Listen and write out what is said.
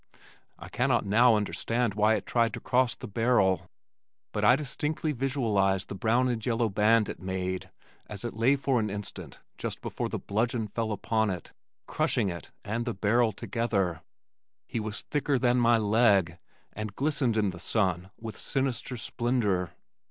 I cannot now understand why it tried to cross the barrel, but I distinctly visualize the brown and yellow band it made as it lay for an instant just before the bludgeon fell upon it, crushing it and the barrel together. He was thicker than my leg and glistened in the sun with sinister splendor.